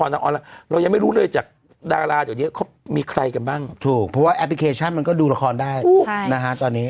ถูกพอแอปพลิเคชั่นมันก็ดูละครได้ตอนนี้